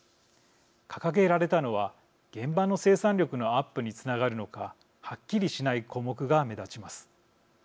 掲げられたのは現場の生産力のアップにつながるのかはっきりしない項目が目立ちます。